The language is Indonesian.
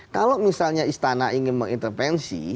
kalau misalnya istana ingin mengintervensi